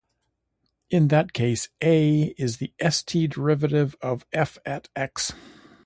In that case, "A" is the st derivative of "f" at "x".